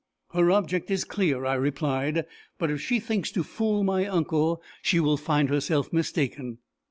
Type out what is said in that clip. "Her object is clear," I replied. "But if she thinks to fool my uncle, she will find herself mistaken!"